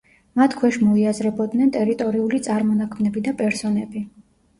მათ ქვეშ მოიაზრებოდნენ ტერიტორიული წარმონაქმნები და პერსონები.